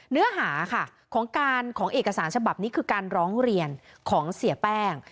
เนื้อหาค่ะของการของเอกสารฉบับนี้คือการร้องเรียนของเสียแป้ง